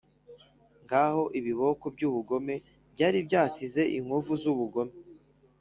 ngaho ibiboko byubugome byari byasize inkovu zubugome